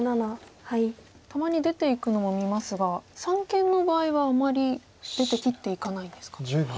たまに出ていくのも見ますが三間の場合はあまり出て切っていかないんですか。